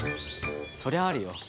そりゃあるよ。